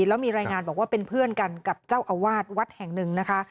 แล้วมีรายงานบอกว่าเป็นเพื่อนกันกับเจ้าอาวาสวัดแห่งหนึ่งนะคะ